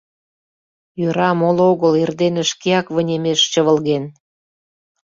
Йӧра, моло огыл эрдене Шкеак вынемеш чывылген.